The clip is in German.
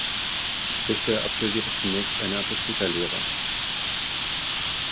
Richter absolvierte zunächst eine Apothekerlehre.